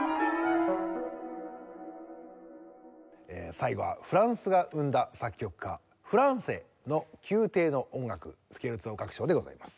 最後はフランスが生んだ作曲家フランセの『宮廷の音楽』スケルツォ楽章でございます。